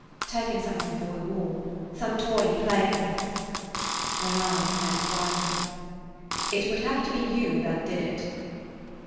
"Take him something the boy wore, some toy he played with." Their eyes met wisely. "It would have to be you that did it."